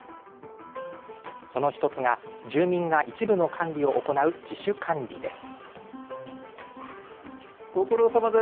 その１つが、住民が一部の管理を行う自主管理です。